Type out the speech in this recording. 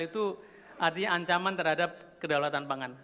itu artinya ancaman terhadap kedaulatan pangan